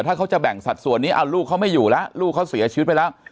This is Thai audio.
ถ้าเขาจะแบ่งสัดส่วนนี้เอาลูกเขาไม่อยู่แล้วลูกเขาเสียชีวิตไปแล้ว